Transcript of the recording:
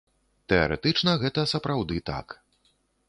Тэарэтычна гэта сапраўды так.